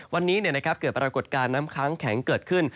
วันนี้เกิดปรากฏการณ์น้ำค้างแข็งเกิดขึ้น